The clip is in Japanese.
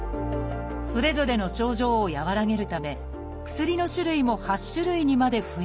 それぞれの症状を和らげるため薬の種類も８種類にまで増えました。